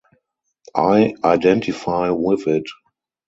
I identify with it.